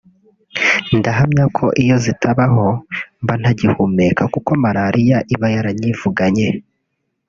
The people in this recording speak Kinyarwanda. ndahamya ko iyo zitabaho mba nta gihumeka kuko maraliya iba yaranyivuganye